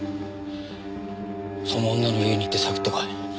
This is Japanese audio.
その女の家に行って探ってこい。